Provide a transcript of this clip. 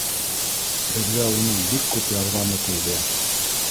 — Беҙгә уның бик күп ярҙамы тейҙе.